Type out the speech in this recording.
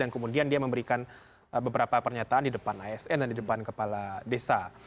dan kemudian dia memberikan beberapa pernyataan di depan asn dan di depan kepala desa